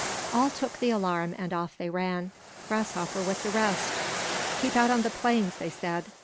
All took the alarm, and off they ran, Grasshopper with the rest. "Keep out on the plains," they said.